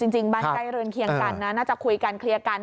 จริงบ้านใกล้เรือนเคียงกันนะน่าจะคุยกันเคลียร์กัน